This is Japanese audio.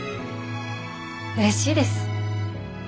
うれしいです。